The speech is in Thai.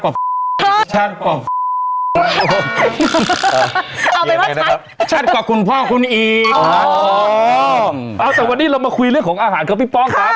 เอาเป็นว่าชัดชัดกว่าคุณพ่อคุณอีกอ๋อเอาแต่วันนี้เรามาคุยเรื่องของอาหารของพี่ป้องครับ